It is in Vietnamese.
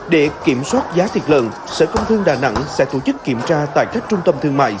để kiểm soát giá thịt lợn sở công thương đà nẵng sẽ tổ chức kiểm tra tại các trung tâm thương mại